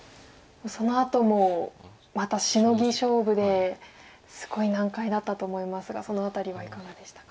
そのあともまたシノギ勝負ですごい難解だったと思いますがその辺りはいかがでしたか？